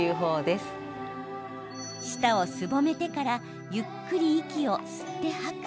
舌をすぼめてからゆっくり息を吸って吐く。